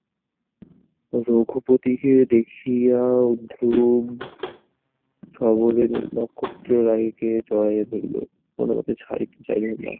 রঘুপতিকে দেখিয়া ধ্রুব সবলে নক্ষত্ররায়কে জড়াইয়া ধরিল, কোনোমতে ছাড়িতে চাহিল না।